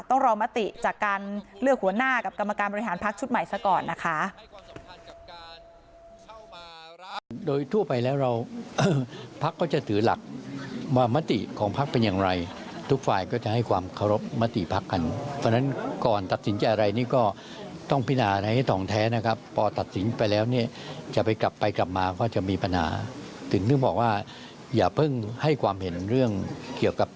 ต้องรอมติจากการเลือกหัวหน้ากับกรรมการบริหารพักชุดใหม่ซะก่อนนะคะ